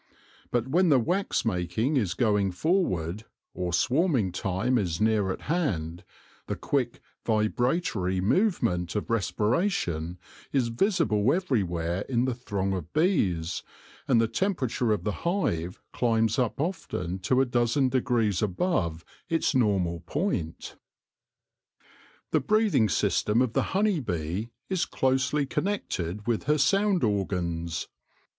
But when the wax making is going forward, or swarming time is near at hand, the quick, vibratory movement of respiration is visible everywhere in the throng of bees, and the tempera ture of the hive climbs up often to a dozen degrees above its normal point. The breathing system of the honey bee is closely connected with her sound organs.